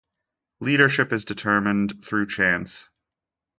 Leadership is determined through chance.